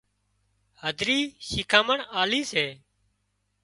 هڌرِي شيکامڻِ آلي سي